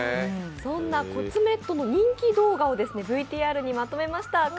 そんな「ＫＯＴＳＵＭＥＴ」の人気動画をＶＴＲにまとめました。